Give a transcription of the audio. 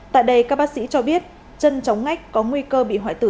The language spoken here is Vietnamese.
tại đây các bác sĩ cho biết chân chóng ngách có nguy cơ bị hoại tử